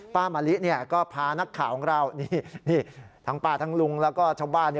มะลิก็พานักข่าวของเรานี่ทั้งป้าทั้งลุงแล้วก็ชาวบ้าน